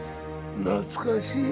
懐かしい。